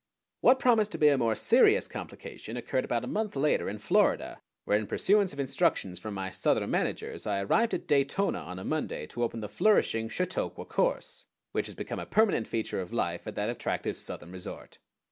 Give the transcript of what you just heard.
What promised to be a more serious complication occurred about a month later in Florida, where in pursuance of instructions from my Southern managers I arrived at Daytona on a Monday, to open the flourishing Chautauqua Course, which has become a permanent feature of life at that attractive Southern resort.